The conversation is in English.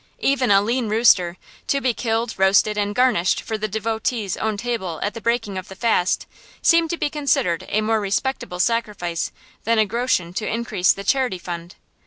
Even a lean rooster, to be killed, roasted, and garnished for the devotee's own table at the breaking of the fast, seemed to be considered a more respectable sacrifice than a groschen to increase the charity fund.